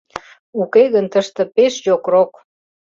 Уке гын тыште пеш йокрок...